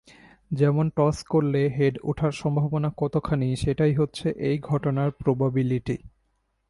যেমন টস করলে হেড উঠার সম্ভাবনা কতখানি সেটাই হচ্ছে এই ঘটনার প্রবাবিলিটি।